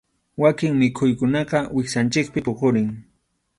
Wakin mikhuykunaqa wiksanchikpi puqurin.